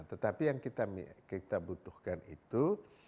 tetapi yang kita butuhkan itu